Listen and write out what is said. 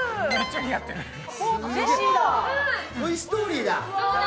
「トイ・ストーリー」だ。